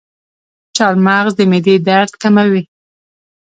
چارمغز د معدې درد کموي.